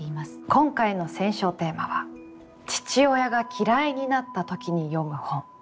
今回の選書テーマは「父親が嫌いになった時に読む本」に決まりました。